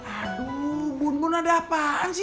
aduh bun bun ada apaan sih